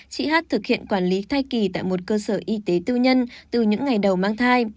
chị hát thực hiện quản lý thai kỳ tại một cơ sở y tế tư nhân từ những ngày đầu mang thai